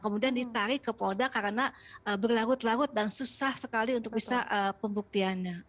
kemudian ditarik ke polda karena berlarut larut dan susah sekali untuk bisa pembuktiannya